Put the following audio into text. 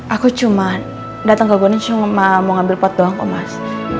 aku cuma datang ke gunung cuma mau ambil pot doang kok mas